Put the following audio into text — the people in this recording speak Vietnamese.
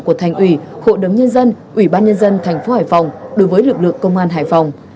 của thành ủy hộ đấm nhân dân ủy ban nhân dân tp hải phòng đối với lực lượng công an hải phòng